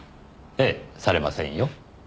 ええされませんよ。